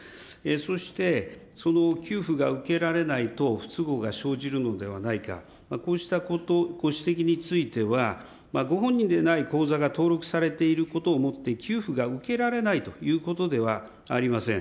そしてその給付が受けられないと不都合が生じるのではないか、こうしたこと、ご指摘については、ご本人でない口座が登録されていることをもって給付が受けられないということではありません。